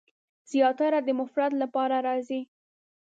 زیاتره د مفرد لپاره راځي.